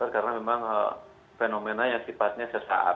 karena memang fenomena yang sifatnya sesaat